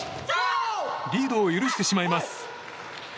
リードを許してしまいます。